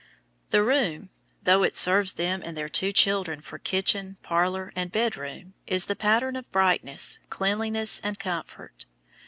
The room, though it serves them and their two children for kitchen, parlor, and bed room, is the pattern of brightness, cleanliness, and comfort.